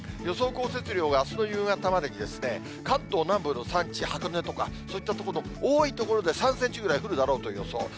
予想降雪量があすの夕方までに関東南部の山地、箱根とか、そういった所の多い所で３センチぐらい降るだろうという予想。